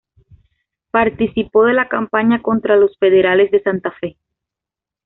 Participó de la campaña contra los federales de Santa Fe.